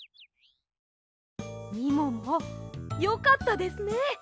みももよかったですね！